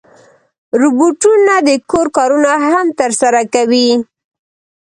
روبوټونه د کور کارونه هم ترسره کوي.